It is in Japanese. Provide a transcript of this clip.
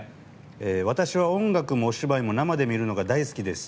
私は音楽もお芝居も生で見るのが好きです。